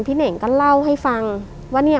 เน่งก็เล่าให้ฟังว่าเนี่ย